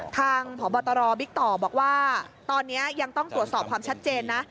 พบตรบิ๊กต่อบอกว่าตอนนี้ยังต้องตรวจสอบความชัดเจนนะ